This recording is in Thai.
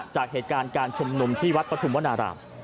จากเหตุการณ์การชุมนุมที่วัดปฐุมวนาราม